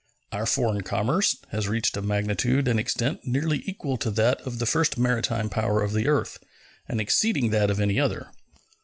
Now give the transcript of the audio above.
Our foreign commerce has reached a magnitude and extent nearly equal to that of the first maritime power of the earth, and exceeding that of any other.